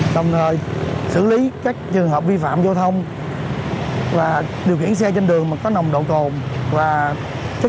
đồng thời xử lý các trường hợp vi phạm giao thông và điều khiển xe trên đường mà có nồng độ cồn và